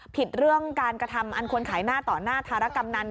เรื่องการกระทำอันควรขายหน้าต่อหน้าธารกำนัน